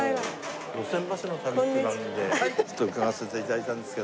『路線バスの旅』って番組でちょっと伺わせて頂いたんですけど。